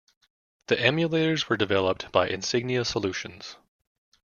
The emulators were developed by Insignia Solutions.